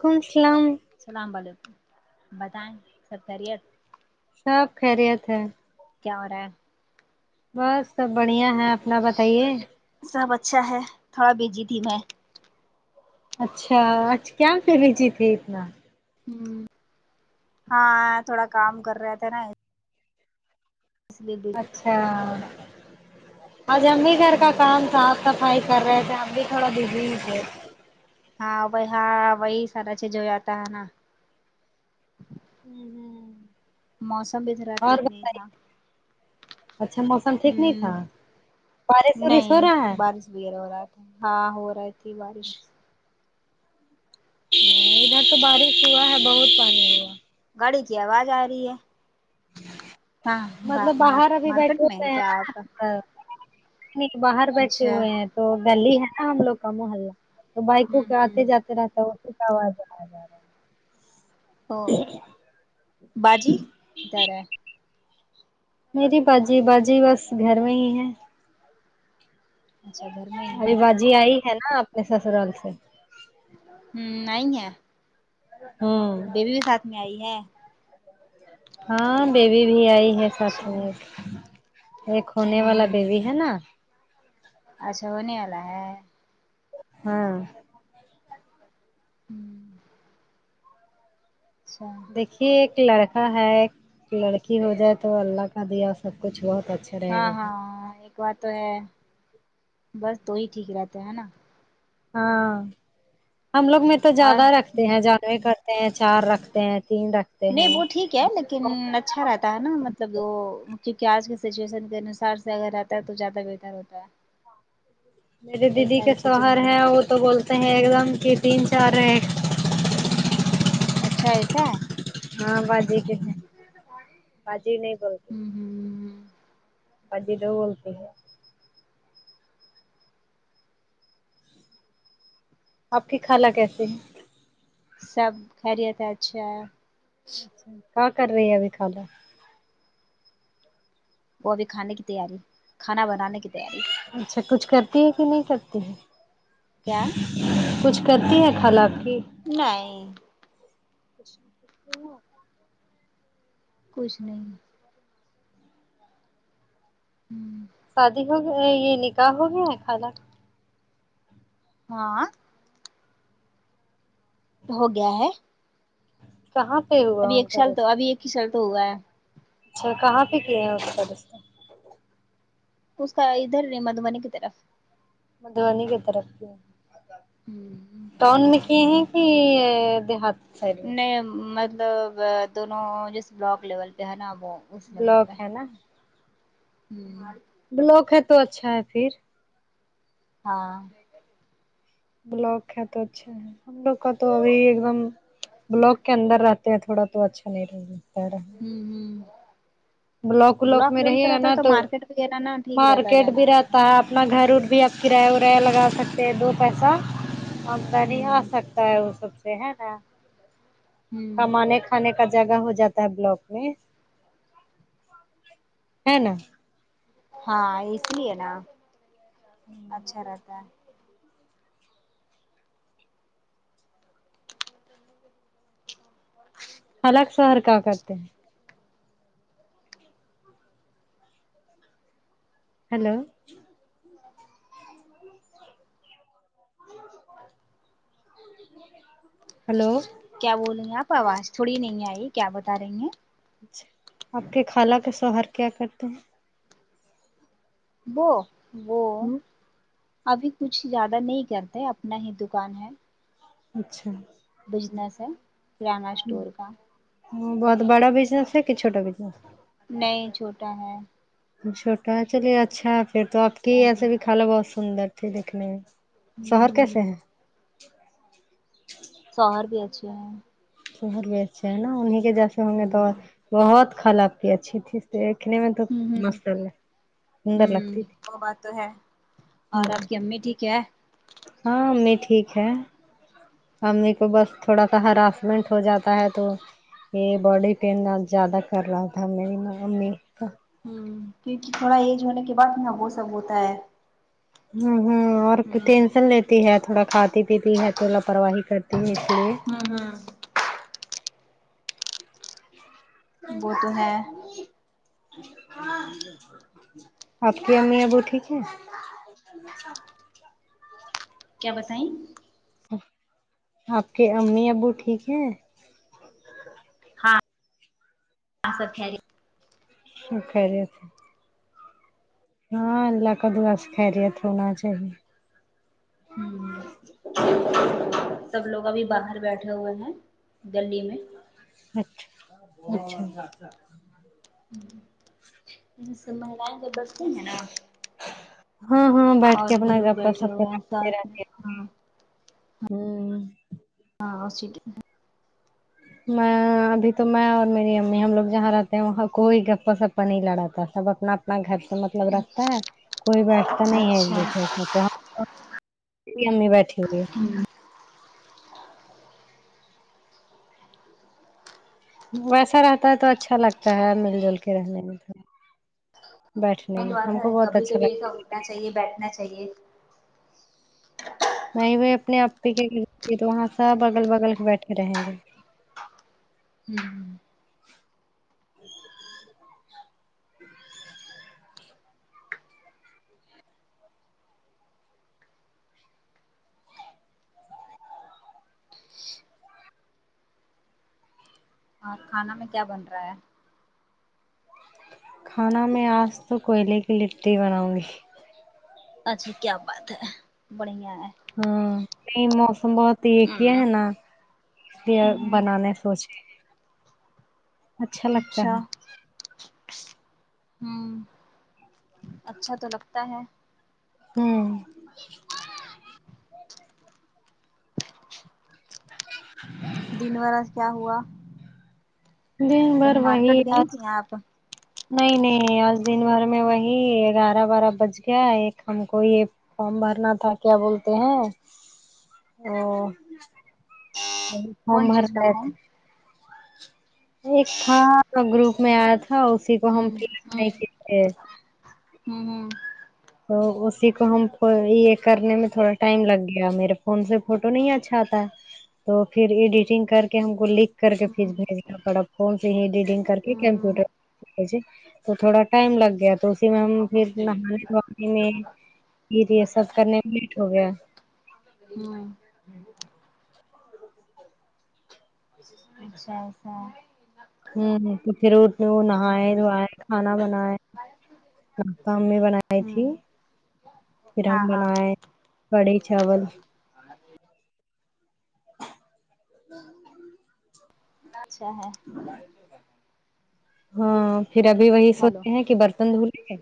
کوم السلام السلام وعلیکم بتائیں سب خیریت سب خیریت ہے کیا ہو رہا ہے بس سب بڑھیا ہے اپنا بتائیے سب اچھا ہے تھوڑا بیجی تھی میں اچھا آج کیا کری تھی پھر اتنا ہوں ہاں تھوڑا کام کر رہے تھے نا اس لیے دیر اچھا آج امی گھر کا ہوں کام تھا سب فائی کر رہے تھے آپ بھی تھوڑا بزی ہی تھے ہاں بھائی ہاں وہی سارا چیز جو آتا ہے نا ہوں ہوں موسم بھی ذرا ٹھیک اور نہیں تھا بتائیے اچھا موسم ٹھیک نہیں ہوں تھا بارش وارش ہو نہیں رہا ہے بارش یر ہو رہا تھا ہاں ہو رہی تھی بارش ہ ادھر تو بارش ہوا ہے بہت پانی میں گاڑی کی آواز آ رہی ہے ہاں مطلب ما باہر ابھی مارکیٹ بیٹھے میں ہوئے کیا آپ ہیں کا نا باہر بیٹھے اچھا ہوئے ہیں تو گلی ہے نا ہم لوگ کا محلہ تو بائکوں ہوں کے ہ آتے جاتے رہتا ہے وہ آواز ا جا رہا ہے او باجی کیدار ہے میری باجی باجی بس گھر میں ہی ہے اچھا گھر میں ہی ہے جی آئی ہے نا اپنے سسرال سے ہوں نہیں ہے ہوں بیبی بھی ساتھ میں آئی ہے ہاں بیبی بھی آئی ہے ساتھ اچھا میں ہوں ایک ہونے والا ہوں بیبی ہے نا اچھا ہونے والا ہے ہاں ہوں اچھا دیکھیے ایک لڑکا ہے ایک لڑکی ہو جائے تو اللہ کا دیا سب کچھ بہت اچھا رہے ہاں گا ہاں ایک بات تو ہے بس دو ہی ٹھیک رہتا ہے نا ہاں ہم لوگ میں تو اور زیادہ رکھتے ہیں جان نہیں بھی کرتے ہیں چار رکھتے ہیں تین رکھتے ہیں کیا لیکن اچھا رہتا ہے نا مطلب وہ کیونکہ آج کے سچویشن کے انوسار سے اگر رہ تو زیادہ بہتر ہوتا میرے ہے یہ دیدی کا ساری چیزیں شوہر ہونی ہے اور تو بولتے ہیں ایک دم کی تین چار ہیں اچھا ایسا ہے ہاں باجی کتنے باجی نہیں بولتی ہوں ہوں باجی دو بولتی ہے آپ کی خالہ کیسے ہیں سب خیریت ہے اچھا ہے کیا کر رہی ہے ابھی خالہ وہ ابھی کھانے کی تیاری کھانا بنانے کی تیاری اچھا کچھ کرتی ہے کہ نہیں کرتی ہے کیا کچھ کرتی ہے خالہ آپ کی نںے کچھا کچھ نہیں امم شادی ہو گیا یہ نکاح ہو گیا ہے خالہ ہاں ہو گیا ہے کہاں پہ ہو ابھی ایک سال تو ابھی ایک ہی سال تو ہوا ہے اچھا کہاں پہ کیے ہیں وہ پرست اس کا ادھر نہیں مدھوبنی کی طرف مدھوبنی کی طرف کی ٹاؤن میں کی ہیں یہ دیہات سائڈ میں نہیں مطلب دونوں رس بلاک لیول پہ ہے نا وہ اس لیول پہ بلاک ہا ہے نا بلاک ہے تو اچھا ہے پھر ہاں بلاک ہے تو اچھا ہے ہم لوگ کا تو ابھی ایک دم بلاک کے اندر رہتا یہ تھوڑا تو اچھا نہیں رہے گا تیرا امم امم ولاک بلاک میں لیول پہ رہیے گا رہتا ہے نا تو مارکیٹ وغیرہ نا ٹھیک رہتا ہے مارکیٹ بھی جانا آنے رہتا ہے میں اپنا گھر ار بھی آپ کرایہ اورایہ لگا سکتے ہیں دو پیسہ ہم تو نہیں آ ہ سکتا ہے وہ سب سے ہے نا ہ کمانے کھانے کا جگہ ہو جاتا ہے بلاک امم ہے نا ہاں اس لیے ہے نا اچھا رہتا ہے کرنے کے الگ شو ہر کیا کرتے ہیں ہیلو ہاں ہیلو کیا بول رہی ہیں آپ آواز تھوڑی نہیں آئی کیا بتا رہی ہیں آپ کے خالہ کے شوہر کیا کرتے ہیں وہ وہ ہیں ابھی کچھ زیادہ نہیں کرتے اپنا ہی دکان ہے اچھا بزنس ہے کرانہ اسٹور کا بہت بڑا بزنس ہے کہ چھوٹا بزنس نہیں چھوٹا ہے چھوٹا ہے چلیے اچھا پھر تو آپ کی ہ ہی ایسے بھی خالا بہت سندر دیکھنے میں شوہر کیسے ہ ہیں سوہر بھی اچھے ہیں شوہر بھی ا چھے ہے نا انہیں کے جیسے ہوں گے ہ تو بہت خالا آپکی اچھی تھی دیکھنے میں تو ہ ہ ماشاءاللہ سندر ہوں لگتی تھی وہ بات تو ہے اور ہاں آپ کی امی ٹھیک ہے ہاں امی ٹھیک ہے امی کو بس تھوڑا سا ہراسمنٹ ہو جاتا ہے تو یہ باڈی پین زیادہ کر رہا تھا میری ممی ہممم کیونکہ تھوڑا ایج ہونے کے بعد یہ وہ سب ہوتا ہے ہمم ہمم اور ہ ٹینشن لیت تی ہے تھوڑا کھاتی پیتی ہے تو لاپرواہی کرتی ہے اس لیے ہاں ہاں کن وہ تو ہے نہیں [unintelligible] آپ کی امی ابو ٹھیک ہے کیا بتائی آپ کے امی ابو ٹھیک ہیں ہاں ہاں سب خیریت سب خیریت ہے ہاں اللہ کا دعا سے خیریت ہونا چاہیے ہ سب لوگ ابھی باہر بیٹھے ہوئے ہیں گلی میں اچھا اچھا ہممم یہ سب مہلائیں جب بیٹھتی ہے نا ہاں ہاں بیٹھ کے اور بھی اپنا لوگ گپا بیٹھے سپ ہوئے ہیں ساتھ میں ہاں ھمم ہاں اسی کی ہے میں ابھی تو میں اور میری امی ہم لوگ جہاں رہتے ہیں وہاں کوئی گپا سپا نہیں لڑاتا سب اپنا میں گھر سے مطلب رکھتا ہے کوئی بیٹھتا نہیں ہے ایک اچھا دوسرے میں تو امی بیٹھی ہوئی ہے مین ویسا رہتا ہے تو اچھا لگتا ہے مل جل کے رہنے میں تو بیٹھنے میں ہم کو بہت اچھا لگتا کرنا چاہیے بیٹھا چاہیے نہیں وہ اپنے اپی کے وہاں سب اگل بگل کے بیٹھے رہیں گے ہممم اور کھانا میں کیا بن رہا ہے کھانا میں آج تو کوئلے کی لٹی بناؤں گی اچھا کیا بات ہے بڑھیا ہے ہاں یہ موسم بہت تو یہ کیا ہوں ہے نا یہ ہوں بنانے سو نچ رہے اچھا لگتا ہے ھمم اچھا تو لگتا ہے ھمم دن بھر آج کیا ہوا دن بھر کہیں وہی مارکیٹ گئی بس تھی آپ نہیں نہیں آج دن بھر میں وہی گیارہ بارہ بج گیا ایک ہم کو یہ فارم بھرنا تھا کیا بولتے ہیں ا ب فارم کون چیز کا بھرنا تھا فون وہ ایک تھا گروپ میں آیا تھا اسی کو ہم ہوں پ نہیں [unintelligible] تھے ہوں ہوں تو اسی کو ہم آ یہ کرنے میں تھوڑا ٹائم لگ گیا میرے فون سے فوٹو نہیں اچھا آتا تو پھر ایڈیٹنگ کر کے ہم کو لکھ کر کے پھیس بھیجے پڑا فون سے ہی ایڈیٹنگ کر کے ہوں کمپیوٹر او جی تو تھوڑا ٹائم لگ گیا تو اسی میں ہم پھر نہانے وہانے پھر یہ سب کرنے میں لیٹ ہوگیا ہوں اچھا ایسا ہوں تو پھر اٹھے نہائے ہوں وھائے کھانا بنائے کل تو امی بنائی تھی ہوں پھر ہم ہاں ہاں بنائے کڑھی چاول اچھا ہے ہاں پھر ابھی وہی ہیلو سوتے ہیں کی برتن دھولے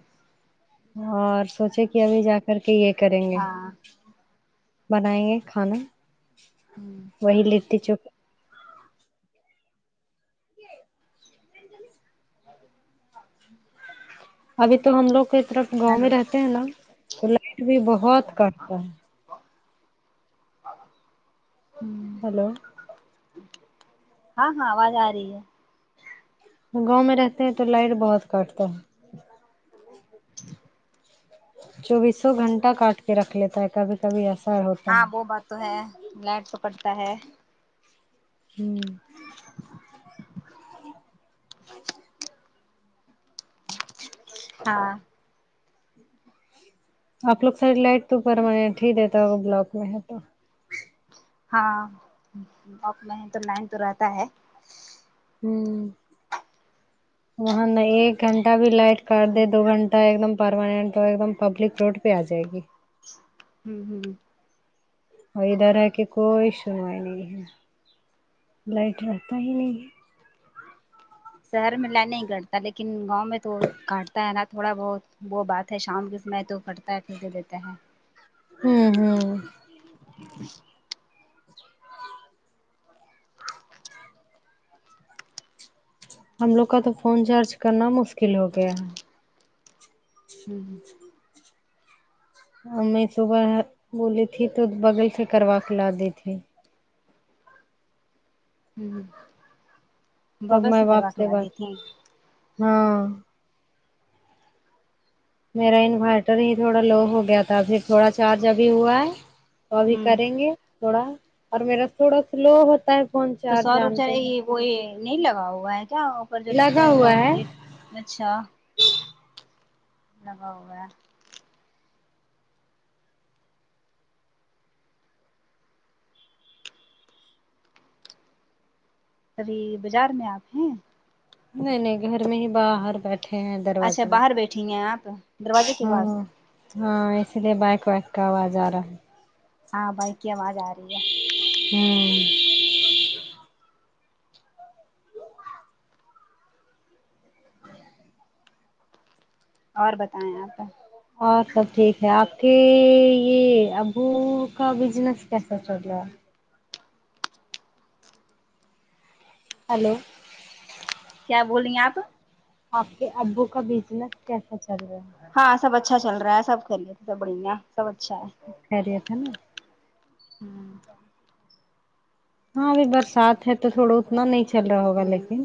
اور سوچے کہ ابھی جا کر کے یہ کریں گے ہاں بنائیں گے کھانا ہوں وہی لیتی چپ [unintelligible] ابھی تو ہم لوگ کوئی طرف گاؤں ہیلو میں رہتے ہیں نا تو لائٹ بھی بہت کاٹتا ہے ہوں ہیلو ہاں ہاں آواز آرہی ہے گاؤں میں رہتے ہیں تو لائٹ بہت کاٹتا ہے چوبیسوں گھنٹہ کاٹ کے رکھ لیتا ہے کبھی کبھی ایسا ہو ہاں وہ بات تو ہے لائٹ تو کٹتا ہے ہوں ہاں آپ لوگ سائ لائٹ تو کرواے تھے بتاؤ بلاک میں ہے تو ہاں باپ لہیں تو لائن پے رہتا ہے ہوں ورنہ لہیں ایک گھنٹہ بھی لائٹ کاٹ دے ہوں دو گھن تو ایک دم پرمیننٹ [unintelligible] ہوں ہوں اور ادھر ہے کے کوئی شنوائی نہیں ہے لائٹ رہتا ہی نہیں ہے شہر میں لائ نہیں کٹتا لیکن گاؤں میں تو کاٹتا ہے نا تھوڑا بہت وہ بات تو شام کے سمے تو کٹتا ہے پھر دے دیتا ہے ہوں ہوں ہم لوگ کا تو فون چارج کرنا مشکل ہو گیا ہوں ہے ہوں ہمے صبح یہ بولی تھی تو بغل سے کروا کے لادی تھی ہوں تب بغل میں سے باپ کروا کے بات لادی تھی ہاں میرا ان بیٹری ہی تھوڑا لو ہو گیا تھا پھر تھوڑا چارج ابھی ہوا ہے وہ ابھی ہوں کریں گے تھوڑا اور میرا تھوڑا سلو ہوتا ہے فون تو سو چارج رپجاۓ جانتے ہیں یہ وہ یہ نہیں لگا ہوا ہے کیا وففر جو لگتا لگا ہے سو ہوا روپٹ اچھا لگا ہوا ہے ابھی بازار میں آپ ہیں نہیں نہیں گھر میں ہی باہر بیٹھ اچھا باہر بیٹھی ہیں آپ دروازے کے ہاں پاس ہاں اس لیے بائک وائک کا آواز آ رہا ہے ہاں بائیک کی آواز آ رہی ہے ہوں اور بتائیں آپ اور سب ٹھیک ہے آپ کے یہ ابو کا بجنس کیسا چل رہا ہے ہیلو کیا بولیں آپ آپ کے ابو کا بزنس کیسا چل رہا ہے ہاں سب اچھا چل رہا ہے سب خیریت سب بڑھیا سب اچھا ہے خیریت ہے نہ ہوں ہاں ابھی برسات ہے تو تھوڑا اتنا نہیں چل رہا ہوگا ہوں لیکن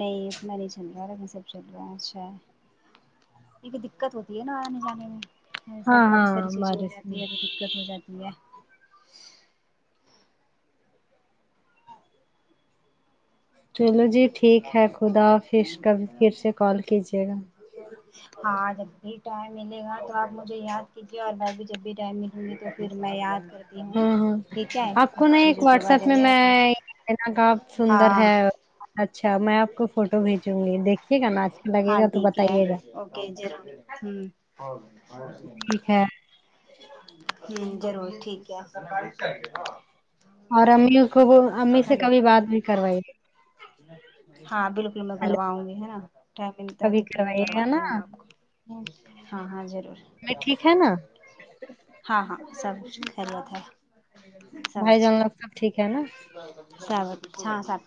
نہیں اتنا نہیں چل رہا را میں سب چل رہا اچھا ہے کیونکہ دقت ہوتی ہے نا آنے جانے میں سا ہاں کافی ساری ہاں چیزیں ہو بارش میں جاتی ہے تو دقت ہو جاتی ہے چلو جی ٹھیک ہے خداحافظ کبھی پھر سے کال کیجیے گا ہاں جب بھی ٹائم ملے گا تو آپ مجھے یاد کیجیے اور میں بھی جب بھی ٹائم مل تو پھر میں یاد کرتی ہوں ہاں ٹھیک ہاں ہے سب چیزوں کے بارے میں آ یہ نقاب سندر ہے اچھا میں آپ کو فوٹو بھیچوں گی دیکھ ہاں ٹھیک ہے اوکے جے ہوں ٹھیک ہے ہوں ضرور ٹھیک ہے اور امی اس کو وہ امی سے ہیلو کبھی بات نہیں کروائی ہاں بالکل میں ہلو کرواؤں گی ہے نا ٹائم ملتا ہے کبھی تو پھر میں کروائیے گا کرواتی نا ہوں آپ کو ہاں ہاں ضرور میں پچاس ٹھیک روپے ہے نا ہاں ہاں سب کچھ خیریت ہے بھائی جان آپ سب ٹھیک ہے نا شاہ وت ہاں سب